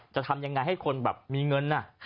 จะทำยังไงให้คนแบบมีเงิน